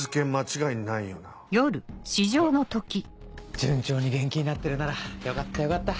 順調に元気になってるならよかったよかった。